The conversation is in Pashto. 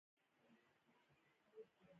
ماهویه لږترلږه یو ځل خراج ورکړی.